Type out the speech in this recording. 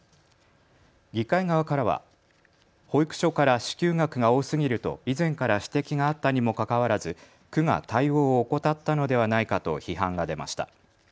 議会側からは保育所から支給額が多すぎると以前から指摘があったにもかかわらず区が対応を怠ったのではないかと批判が出ました。